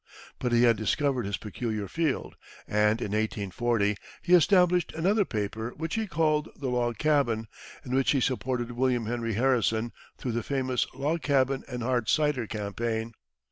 But he had discovered his peculiar field, and in 1840 he established another paper which he called the "Log Cabin," in which he supported William Henry Harrison through the famous "log cabin and hard cider" campaign.